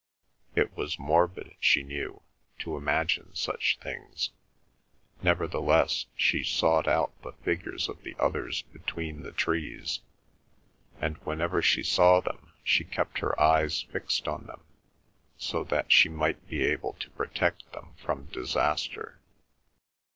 It was morbid, she knew, to imagine such things; nevertheless she sought out the figures of the others between the trees, and whenever she saw them she kept her eyes fixed on them, so that she might be able to protect them from disaster.